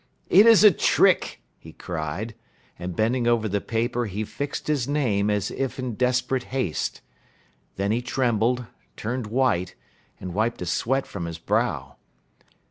"It is a trick," he cried; and bending over the paper he fixed his name, as if in desperate haste. Then he trembled, turned white, and wiped a sweat from his brow.